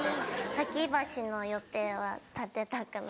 先の予定は立てたくない。